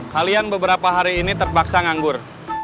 kalian beberapa hari ini terpaksa nganggur